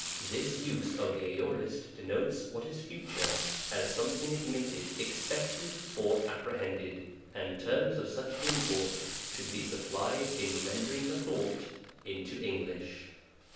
This use of the Aorist denotes what is future, as some thing admitted, expected, or apprehended ; and terms of. such import should be supplied in rendering the thought into English.